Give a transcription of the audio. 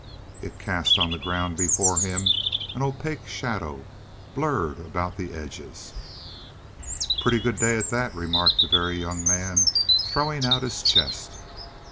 It cast on the ground before him an opaque shadow, blurred about the edges. "Pretty good day, at that," remarked the Very Young Man, throwing out his chest.